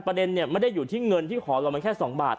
ประเด็นเนี่ยไม่ได้อยู่ที่เงินที่ขอรอมันแค่สองบาท